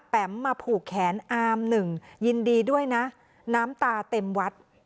มาผูกแขนอามหนึ่งยินดีด้วยนะน้ำตาเต็มวัด